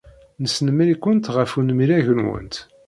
Nesnemmir-ikent ɣef unmireg-nwent.